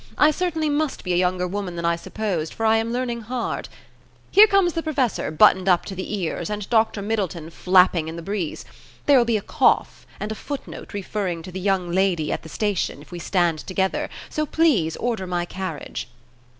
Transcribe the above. I certainly must be a younger woman than I supposed, for I am learning hard. Here comes the Professor, buttoned up to the ears, and Dr. Middleton flapping in the breeze. There will be a cough, and a footnote referring to the young lady at the station, if we stand together, so please order my carriage."